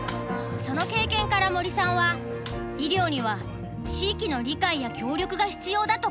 その経験から森さんは医療には地域の理解や協力が必要だと考えたんだ。